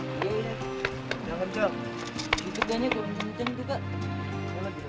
terima kasih ya bu berkat ibu kami bisa melewati cobaan ini bu